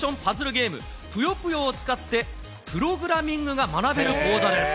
ゲーム、ぷよぷよを使ってプログラミングが学べる講座です。